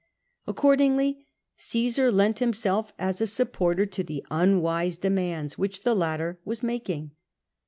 Accordingly Caesar lent himself as a supporter to the unwise demands which the latter was making.